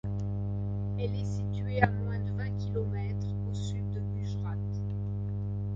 Elle est située à moins de vingt kilomètres au sud de Gujrat.